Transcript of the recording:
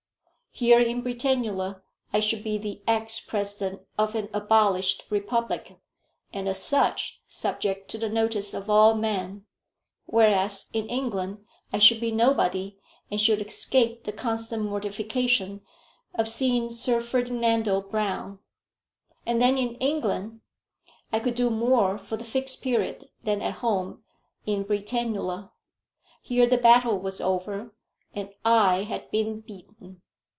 Here in Britannula I should be the ex President of an abolished republic, and as such subject to the notice of all men; whereas in England I should be nobody, and should escape the constant mortification of seeing Sir Ferdinando Brown. And then in England I could do more for the Fixed Period than at home in Britannula. Here the battle was over, and I had been beaten.